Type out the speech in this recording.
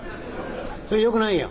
それよくないよ」。